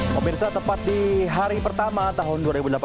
pemirsa tepat di hari pertama tahun dua ribu delapan belas